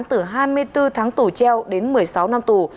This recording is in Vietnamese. từ hai mươi bốn tháng tù treo đến một mươi sáu năm tù